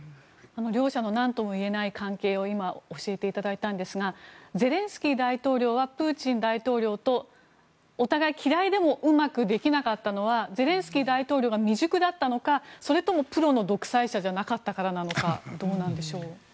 両者の何とも言えない関係を今、教えていただいたんですがゼレンスキー大統領はプーチン大統領とお互い、嫌いでもうまくできなかったのはゼレンスキー大統領が未熟だったのか、それともプロの独裁者じゃなかったのかどうなのでしょう。